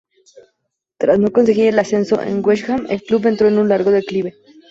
Tras no conseguir el ascenso en Wrexham el club entró en un largo declive.